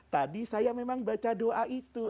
tadi saya memang baca doa itu